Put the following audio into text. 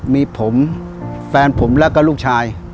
มีผมแฟนผมแล้วก็ลูกชาย